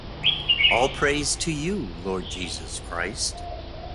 All: Praise to you, Lord Jesus Christ!